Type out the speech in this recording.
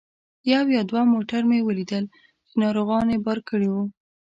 یو یا دوه موټر مې ولیدل چې ناروغان یې بار کړي وو.